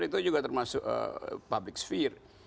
itu juga termasuk public spear